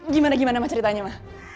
gimana gimana mak ceritanya mah